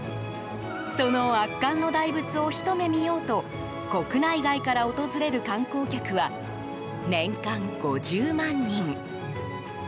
その圧巻の大仏をひと目見ようと国内外から訪れる観光客は年間５０万人。